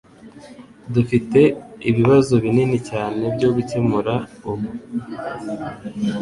Dufite ibibazo binini cyane byo gukemura ubu.